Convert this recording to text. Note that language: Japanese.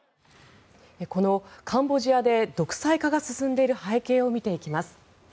このカンボジアで独裁化が進んでいる背景を見ていきます。